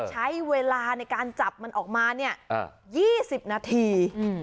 ใช้เวลาในการจับมันออกมาเนี่ย๒๐นาที